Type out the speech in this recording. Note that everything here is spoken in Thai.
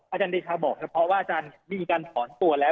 อาจารย์เดชาน่ะบอกว่าอาจารย์มีการถอนตัวแล้ว